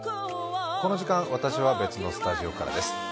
この時間、私は別のスタジオからです。